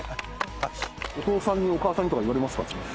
お父さん似お母さん似とかいわれますか？